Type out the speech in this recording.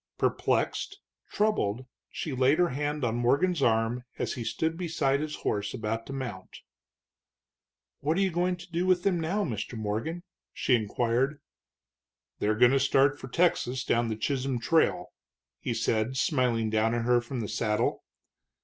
Perplexed, troubled, she laid her hand on Morgan's arm as he stood beside his horse about to mount. "What are you going to do with them now, Mr. Morgan?" she inquired. "They're going to start for Texas down the Chisholm Trail," he said, smiling down at her from the saddle.